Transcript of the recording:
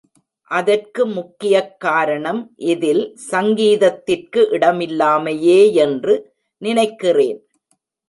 அதற்கு முக்கியக் காரணம் இதில் சங்கீதத்திற்கு இடமில்லாமையேயென்று நினைக்கிறேன்.